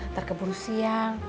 ntar keburu siang